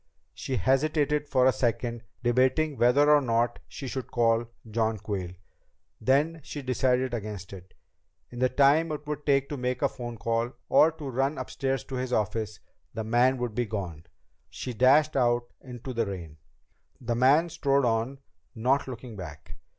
She hesitated for a second, debating whether or not she should call John Quayle. Then she decided against it. In the time it would take to make a phone call or to run upstairs to his office, the man would be gone. She dashed out into the rain. The man strode on, not looking back.